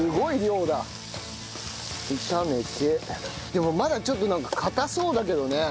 でもまだちょっとなんかかたそうだけどね。